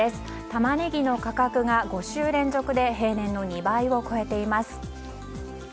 タマネギの価格が５週連続で平年の２倍を超えています。